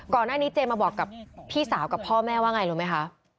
ก่อนหน้านี้เจมาบอกกับพี่สาวกับพ่อแม่ว่าไงรู้ไหมคะ